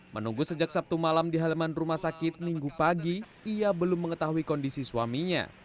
menunggu sejak sabtu malam di halaman rumah sakit minggu pagi ia belum mengetahui kondisi suaminya